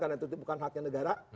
karena itu bukan haknya negara